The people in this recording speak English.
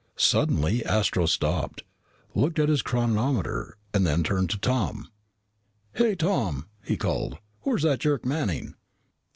Suddenly Astro stopped, looked at his chronometer, then turned to Tom. "Hey, Tom!" he called. "Where's that jerk, Manning?"